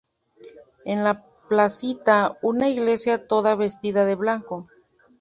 En la placita una iglesia toda vestida de blanco.